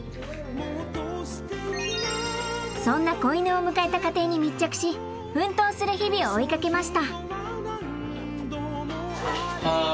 そんな子犬を迎えた家庭に密着し奮闘する日々を追いかけました。